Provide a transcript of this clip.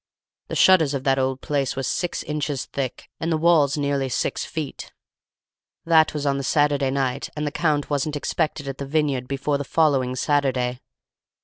The shutters of that old place were six inches thick, and the walls nearly six feet; that was on the Saturday night, and the Count wasn't expected at the vineyard before the following Saturday.